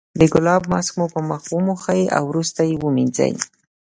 د ګلاب ماسک مو په مخ وموښئ او وروسته یې ومینځئ.